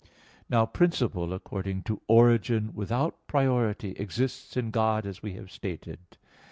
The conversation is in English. Now principle, according to origin, without priority, exists in God as we have stated (Q.